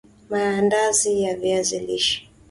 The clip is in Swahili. Maandazi ya viazi lishe